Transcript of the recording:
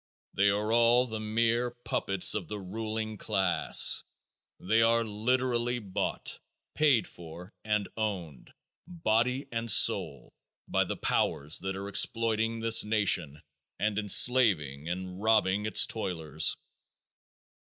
They are all the mere puppets of the ruling class. They are literally bought, paid for and owned, body and soul, by the powers that are exploiting this nation and enslaving and robbing its toilers.